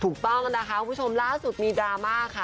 ถูกต้องนะคะคุณผู้ชมล่าสุดมีดราม่าค่ะ